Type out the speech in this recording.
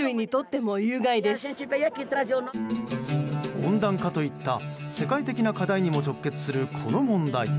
温暖化といった世界的な課題にも直結するこの問題。